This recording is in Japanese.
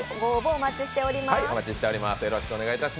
お待ちしております。